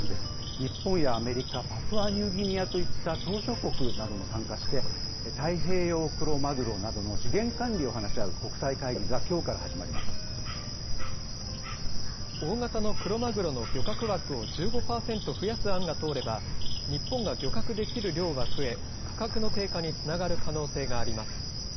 日本やアメリカ、パプアニューギニアといった島しょ国なども参加して、太平洋クロマグロなどの資源管理を話し合う国際会議がきょうから大型のクロマグロの漁獲枠を１５％増やす案が通れば、日本が漁獲できる量が増え、価格の低下につながる可能性があります。